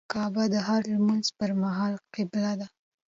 کعبه د هر لمونځه پر مهال قبله ده.